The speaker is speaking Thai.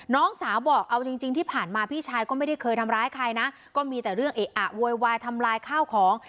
น้องสาวบอกเอาจริงจริงที่ผ่านมาพี่ชายก็ไม่ได้เคยทำร้ายใครนะก็มีแต่เรื่องเอะอะโวยวายทำลายข้าวของ